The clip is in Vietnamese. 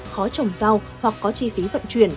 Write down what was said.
khó trồng rau hoặc có chi phí vận chuyển